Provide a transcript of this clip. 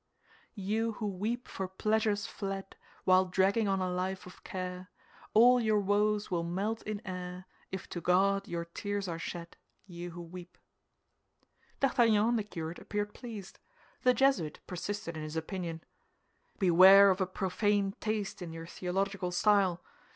"You who weep for pleasures fled, While dragging on a life of care, All your woes will melt in air, If to God your tears are shed, You who weep!" D'Artagnan and the curate appeared pleased. The Jesuit persisted in his opinion. "Beware of a profane taste in your theological style.